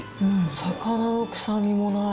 魚の臭みもない。